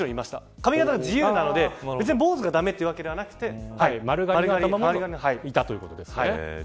髪形は自由なので別にぼうずが駄目というわけではなくて丸刈りの人もいたというわけですね。